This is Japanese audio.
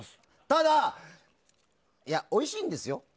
ただいやねおいしいんですよ？